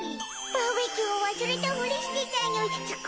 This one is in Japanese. バーベキューを忘れたふりしてたにゅい。